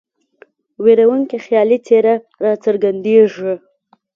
ویرونکې خیالي څېره را څرګندیږي.